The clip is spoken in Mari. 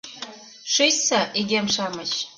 — Шичса, игем-шамыч!